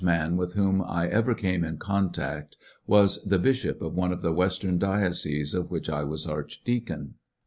n with whom I ever came in contact was the bishop of one of the Western dioceses in which I was archdeacon.